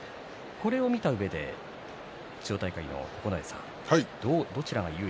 これを見たうえで千代大海の九重さん